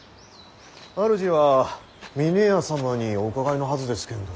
主は峰屋様にお伺いのはずですけんど。